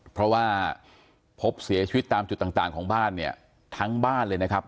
เพราะว่าพบเสียชีวิตตามจุดต่างของบ้านเนี่ยทั้งบ้านเลยนะครับ